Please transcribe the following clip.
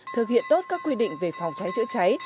thực hiện tốt các quy định về phòng cháy chữa cháy